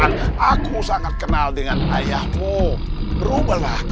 pak jangan lagi tembak